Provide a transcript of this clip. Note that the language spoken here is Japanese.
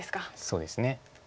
そうですね。